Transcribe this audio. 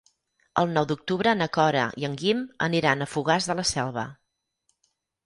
El nou d'octubre na Cora i en Guim aniran a Fogars de la Selva.